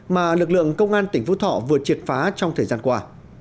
mà lực lượng công an tỉnh phú thọ vừa triệt phá trong thời gian qua